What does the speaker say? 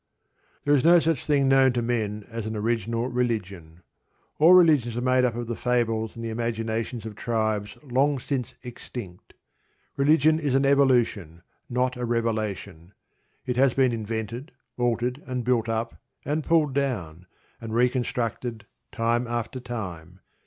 There is no such thing known to men as an original religion. All religions are made up of the fables and the imaginations of tribes long since extinct. Religion is an evolution, not a revelation. It has been invented, altered, and built up, and pulled down, and reconstructed time after time.